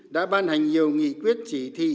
đã ban hành nhiều nghị quyết chỉ thị